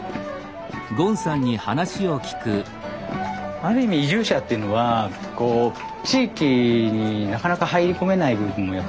ある意味移住者っていうのは地域になかなか入り込めない部分もやっぱあるわけですよ。